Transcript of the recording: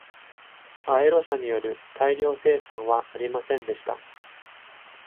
Aero 社による大量生産はありませんでした。